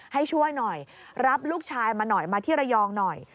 ให้ช่วยหน่อยรับลูกชายมาหน่อยมาที่ระยองหน่อย